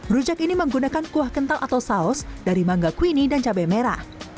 rujak ini menggunakan kuah kental atau saus dari mangga kwini dan cabai merah